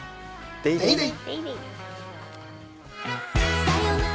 デイデイ！